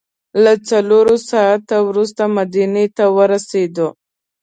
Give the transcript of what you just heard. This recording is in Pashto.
له څلورو ساعتو وروسته مدینې ته ورسېدو.